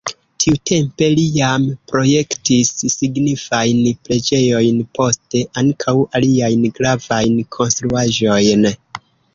Tiutempe li jam projektis signifajn preĝejojn, poste ankaŭ aliajn gravajn konstruaĵojn.